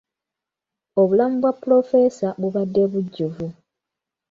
Obulamu bwa pulofeesa bubadde bujjuvu.